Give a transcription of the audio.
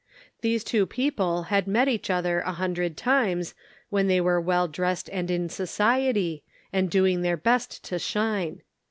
These two people had met each other a hundred times, when they were well dressed and in society, and doing their best to shine.